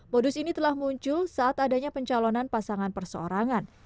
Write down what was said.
modus ini telah muncul saat adanya pencalonan pasangan perseorangan